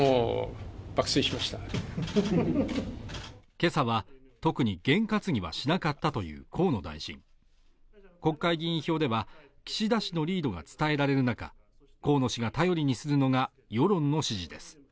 今朝は特に験担ぎはしなかったという河野大臣国会議員票では岸田氏のリードが伝えられる中河野氏が頼りにするのが世論の支持です